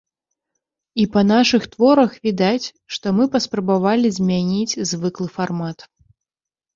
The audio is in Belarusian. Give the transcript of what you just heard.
І па нашых творах відаць, што мы паспрабавалі змяніць звыклы фармат.